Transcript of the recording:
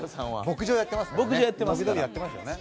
牧場やってますもんね。